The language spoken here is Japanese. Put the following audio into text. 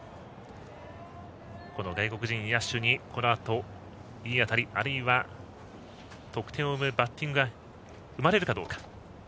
この外国人野手に、このあといい当たり、あるいは得点を生むバッティングが生まれるかどうか。